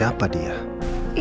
tunggu aku mau cari